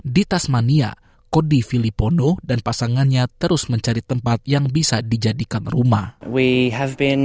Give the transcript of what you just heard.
di tasmania kodi filipondo dan pasangannya terus mencari tempat yang bisa dijadikan rumah